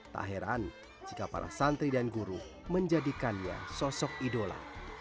tak heran jika para santri dan guru menjadikannya sosok idola